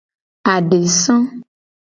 Adesa.